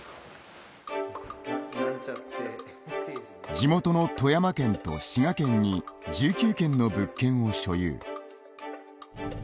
地元の富山県と滋賀県に１９軒の物件を所有。